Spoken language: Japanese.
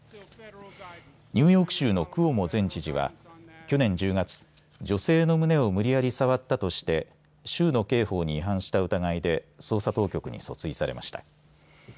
ニューヨーク州のクオモ前知事は去年１０月、女性の胸を無理やり触ったとして州の刑法に違反した疑いで捜査当局に訴追されました。